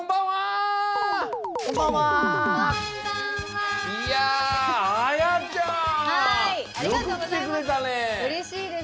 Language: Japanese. はい！